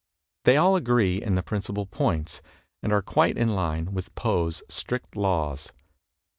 They all agree in the principal points, and are quite in line with Poe's strict laws.